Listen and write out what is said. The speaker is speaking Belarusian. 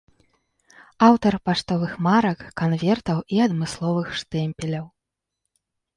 Аўтар паштовых марак, канвертаў і адмысловых штэмпеляў.